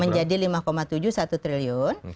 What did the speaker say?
menjadi rp lima tujuh satu triliun